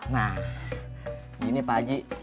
nah gini pak haji